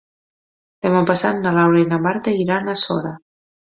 Demà passat na Laura i na Marta iran a Sora.